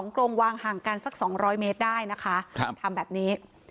กรงวางห่างกันสัก๒๐๐เมตรได้นะคะทำแบบนี้